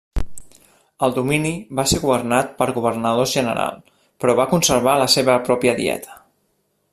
El domini va ser governat per Governadors General, però va conservar la seva pròpia dieta.